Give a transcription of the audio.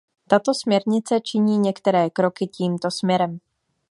Tato směrnice činí některé kroky tímto směrem.